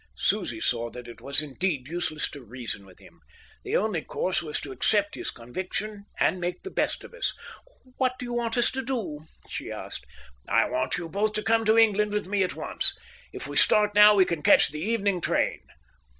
Susie saw that it was indeed useless to reason with him. The only course was to accept his conviction and make the best of it. "What do you want us to do?" she asked. "I want you both to come to England with me at once. If we start now we can catch the evening train."